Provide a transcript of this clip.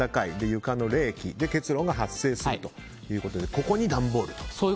床の冷気で結露が発生するということでここに段ボールをと。